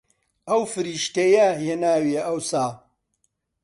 ئەو فریشتەیە هێناویە ئەوسا